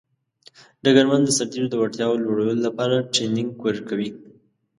ډګرمن د سرتیرو د وړتیا لوړولو لپاره ټرینینګ ورکوي.